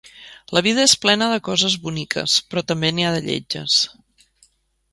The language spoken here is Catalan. La vida és plena de coses boniques, però també n'hi ha de lletges.